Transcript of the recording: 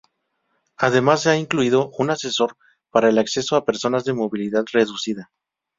Además se ha incluido un ascensor para el acceso a personas de movilidad reducida.